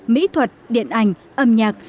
mỹ thuật điện ảnh âm nhạc